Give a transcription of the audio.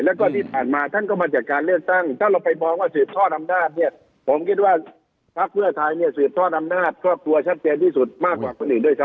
แล้วก็นี้ผ่านมาท่านก็มาจากการเรียนตั้งถ้าเราไปบอกว่าสืบท่อนำนาตเนี่ย